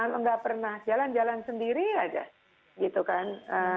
nggak pernah jalan jalan sendiri aja gitu kan